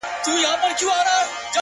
چي زه به څرنگه و غېږ ته د جانان ورځمه;